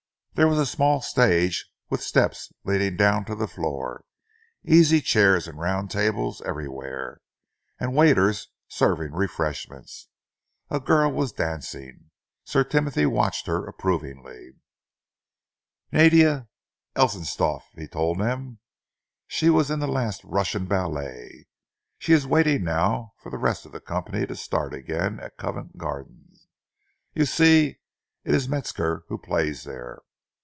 There was a small stage with steps leading down to the floor, easy chairs and round tables everywhere, and waiters serving refreshments. A girl was dancing. Sir Timothy watched her approvingly. "Nadia Ellistoff," he told them. "She was in the last Russian ballet, and she is waiting now for the rest of the company to start again at Covent Garden. You see, it is Metzger who plays there.